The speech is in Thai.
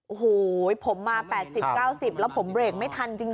โอ้โหผมมา๘๐๙๐แล้วผมเบรกไม่ทันจริง